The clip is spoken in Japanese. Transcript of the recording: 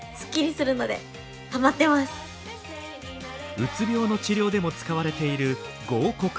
うつ病の治療でも使われている合谷。